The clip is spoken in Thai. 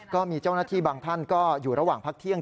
ก็มีเจ้าหน้าที่บางท่านก็อยู่ระหว่างพักเที่ยง